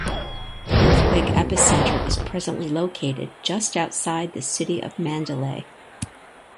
The earthquake epicenter is presently located just outside the city of Mandalay.